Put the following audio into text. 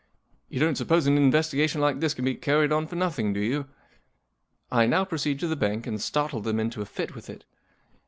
" You don't suppose an investigation like this can be carried on for nothing, do you ? i now proceed to the bank and startle them into a fit with it.